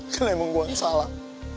karena emang gue salah